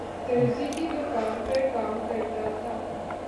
درزی کی دکان پرکام کرتا تھا